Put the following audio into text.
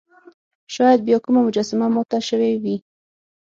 شاید بیا کومه مجسمه ماته شوې وي.